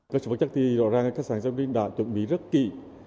cơ sở vật chất thì rõ ràng khách sạn zabrin đã chuẩn bị rất kỹ